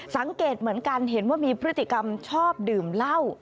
สังเกตเหมือนกันเห็นว่ามีพฤติกรรมชอบดื่มเหล้า